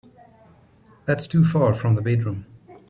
That's too far from the bedroom.